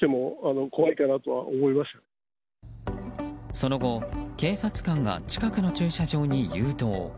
その後、警察官が近くの駐車場に誘導。